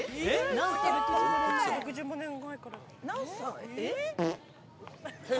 何歳？